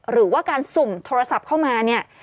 หรือว่าการสุ่มโทรศัพท์เข้ามาเนี่ย